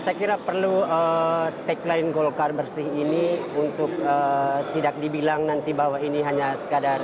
saya kira perlu tagline golkar bersih ini untuk tidak dibilang nanti bahwa ini hanya sekadar